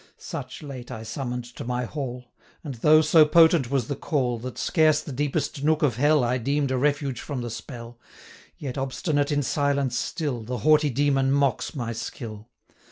Such late I summon'd to my hall; 400 And though so potent was the call, That scarce the deepest nook of hell I deem'd a refuge from the spell, Yet, obstinate in silence still, The haughty demon mocks my skill.